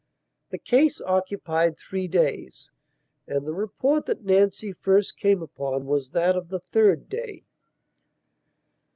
The case occupied three days, and the report that Nancy first came upon was that of the third day.